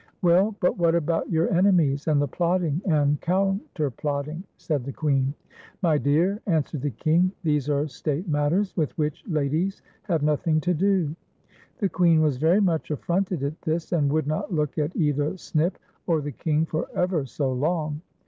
" Well, but what about your enemies, and the plotting and counterplotting," said the Queen. " My dear," answered the King, " these are state matters, with which ladies have nothing to do." The Queen was very much aftronted at this, and would not look at either Snip or the King for ever so long.